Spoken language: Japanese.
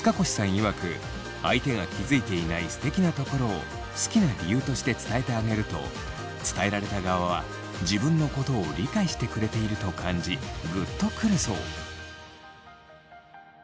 いわく相手が気付いていないすてきなところを好きな理由として伝えてあげると伝えられた側は自分のことを理解してくれていると感じグッとくるそう。